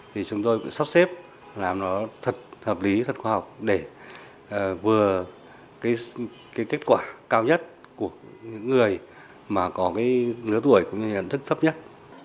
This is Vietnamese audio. thì chúng tôi sắp xếp làm nó thật hợp lý thật khoa học để vừa kết quả cao nhất của người mà có lứa tuổi cũng như nhận thức sắp nhất